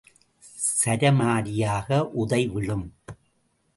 சரமாரியாக உதை விழும்.